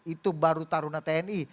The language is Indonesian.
itu baru taruna tni